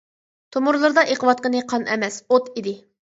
تومۇرلىرىدا ئېقىۋاتقىنى، قان ئەمەس، ئوت ئىدى.